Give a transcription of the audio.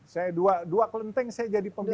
saya dua kelenteng saya jadi pemimpin